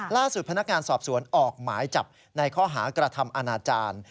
ล่าสุดพนักงานสอบสวนออกหมายจับในข้อหากระทำอนาจารย์